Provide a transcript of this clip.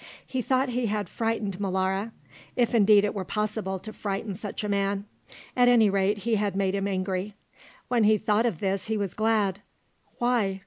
He thought he had frightened Molara, if indeed it were possible to frighten such a man; at any rate he had made him angry. When he thought of this he was glad. Why?